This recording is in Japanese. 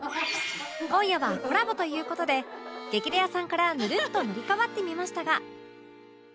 今夜はコラボという事で『激レアさん』からぬるっと塗り替わってみましたが